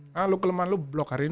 nah lu kelemahan lu blok hari ini